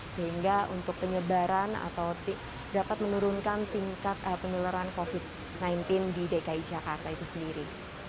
sehingga untuk penyebaran atau dapat menurunkan tingkat penularan covid sembilan belas di dki jakarta itu sendiri